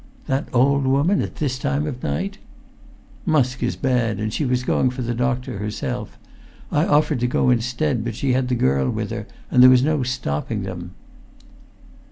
"That old woman at this time of night?" "Musk is bad, and she was going for the doctor herself. I offered to go instead, but she had the girl with her, and there was no stopping them."